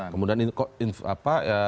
kemudian apa ya